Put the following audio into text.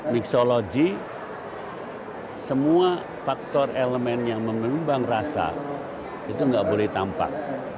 mixologi semua faktor elemen yang mengembang rasa itu nggak boleh tampak